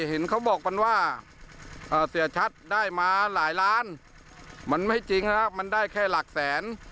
เห็นเขาบอกมันว่าเสียชัดได้มาหลายล้านมันไม่จริงนะครับมันได้แค่หลักแสน